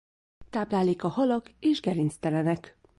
Tápláléka halak és gerinctelenek.